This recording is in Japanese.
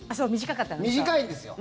短いんですよ。